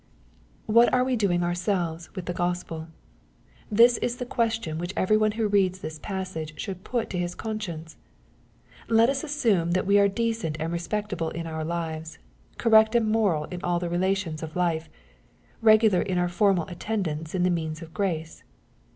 What are we doing ourselves with the Gospel ? This is the question which every one who reads this passage should put to his conscience. Let us assume that we are decent and respectable in our lives, correct and moral in aU the relations of life, regular in our formal attendance on the means of grace.